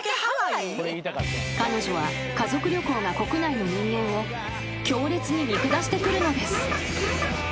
［彼女は家族旅行が国内の人間を強烈に見下してくるのです］